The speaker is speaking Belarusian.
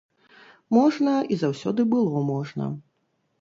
Можна, і заўсёды было можна.